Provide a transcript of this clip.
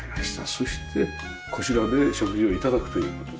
そしてこちらで食事を頂くという事ですよね？